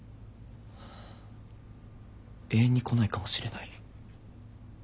永遠に来ないかもしれない。